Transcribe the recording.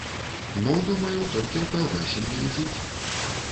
Ну, думаю, толькі ў калгасе мне і жыць.